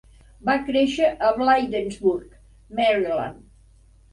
Va créixer a Bladensburg, Maryland.